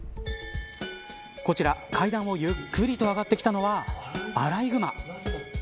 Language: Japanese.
こちら、階段をゆっくりと上がってきたのはアライグマ。